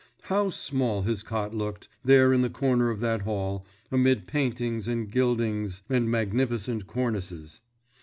How small his cot looked, there in the corner of that hall, amid paintings and gildings and magnificent cornices!